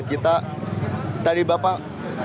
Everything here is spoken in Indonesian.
kita tadi bapak